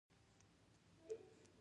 آیا دوی په نانو ټیکنالوژۍ کې مخکې نه دي؟